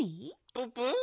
ププ？